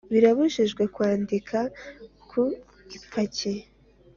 birabujijwe kwandika ku ipaki